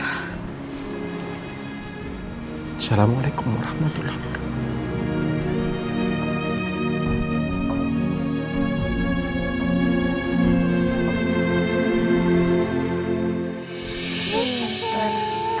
assalamualaikum warahmatullahi wabarakatuh